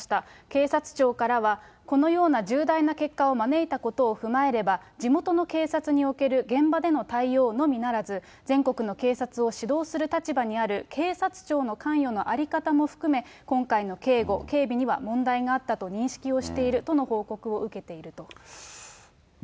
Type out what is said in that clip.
警察庁からは、このような重大な結果を招いたことを踏まえれば、地元の警察における現場での対応のみならず、全国の警察を指導する立場にある警察庁の関与の在り方も含め、今回の警護・警備には問題があったと認識をしているとの報告を受けていると。